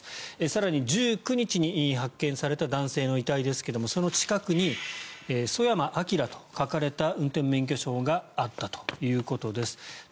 更に１９日に発見された男性の遺体ですがその近くにソヤマ・アキラと書かれた運転免許証があったということです。